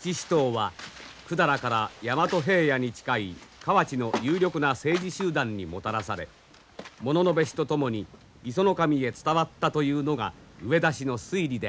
七支刀は百済から大和平野に近い河内の有力な政治集団にもたらされ物部氏と共に石上へ伝わったというのが上田氏の推理である。